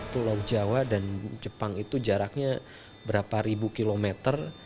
pulau jawa dan jepang itu jaraknya berapa ribu kilometer